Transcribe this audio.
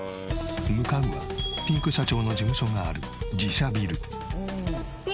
向かうはピンク社長の事務所がある自社ビル。